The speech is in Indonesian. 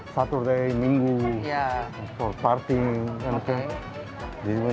saturday minggu untuk partai dan lain lain